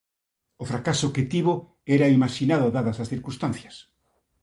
O fracaso que tivo era o imaxinado dadas as circunstancias.